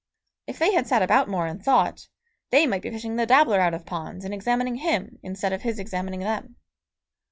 If they had sat about more and thought, they might be fishing the dabbler out of ponds and examining him instead of his examining them.